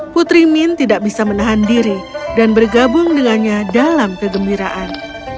putri min tidak bisa menahan diri dan bergabung dengannya dalam kegembiraan